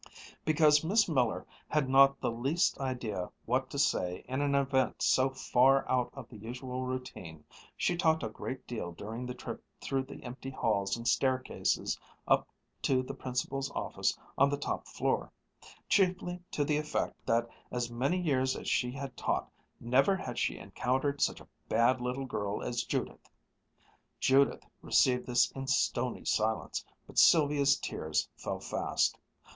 Because Miss Miller had not the least idea what to say in an event so far out of the usual routine, she talked a great deal during the trip through the empty halls and staircases up to the Principal's office on the top floor; chiefly to the effect that as many years as she had taught, never had she encountered such a bad little girl as Judith. Judith received this in stony silence, but Sylvia's tears fell fast.